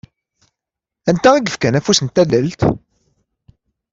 Anta i yefkan afus n tallalt?